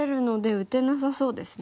打てなさそうですね。